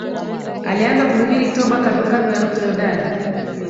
Alianza kuhubiri toba kandokando ya mto Yordani